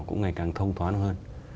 cũng ngày càng thông toán hơn